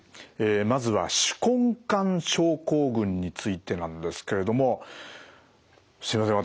えまずは手根管症候群についてなんですけれどもすいません。